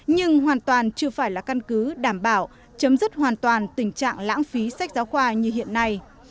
nhưng hoàn toàn chưa phải là căn cứ đảm bảo chấm dứt hoàn toàn tình trạng lãng phí sách giáo khoa như hiện nay